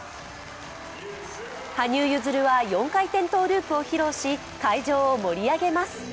羽生結弦は４回転トゥループを披露し、会場を盛り上げます。